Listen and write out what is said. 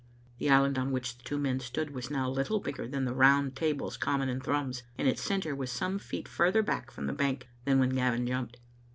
The island on which the two men stood was now little bigger than the round tables common in Thrums, and its centre was some feet farther from the bank than when Gavin jumped.